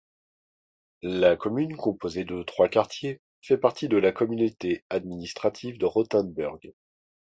La commune, composée de trois quartiers, fair partie de la communauté administrative de Rothenburg.